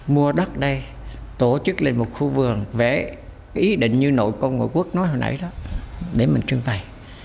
mua đất đây tổ chức lên một khu vườn vẽ ý định như nội công nội quốc nói hồi nãy đó để mình trưng bày